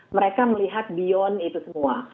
mereka melihat beyond itu semua